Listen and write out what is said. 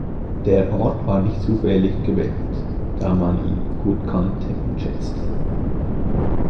Der Ort war nicht zufällig gewählt, da man ihn hier gut kannte und schätzte.